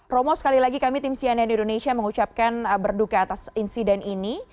romo sekali lagi kami tim cnn indonesia mengucapkan berduka atas insiden ini